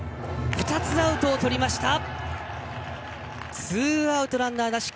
２つアウトをとりました。